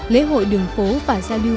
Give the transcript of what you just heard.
lễ hội đường phố và giao lưu